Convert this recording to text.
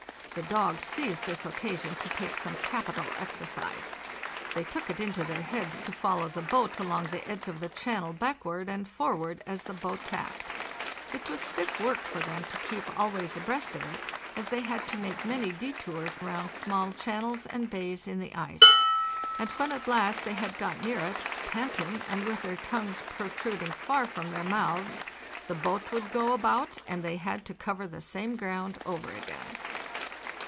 The dogs seized this occa sion to take some capital exercise. They took it into their heads to follow the boat along the edge of the channel back ward and forward as the boat tacked; it was stiff work for them to keep always abreast of it, as they had to make many detours round small channels and bays in the ice, and when at last they had got near it, panting, and with their tongues protruding far from their mouths, the boat would go about, and they had to cover the same ground over again.